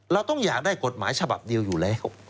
เราต้องอยากได้กฎหมายฉบับเดียวอยู่แล้ว